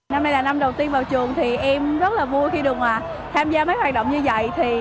năm này là năm đầu tiên vào trường em rất vui khi được tham gia mấy hoạt động như vậy